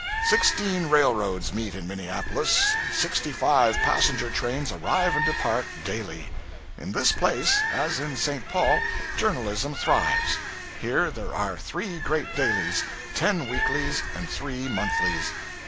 Sixteen railroads meet in Minneapolis, and sixty five passenger trains arrive and depart daily. In this place, as in St. Paul, journalism thrives. Here there are three great dailies, ten weeklies, and three monthlies.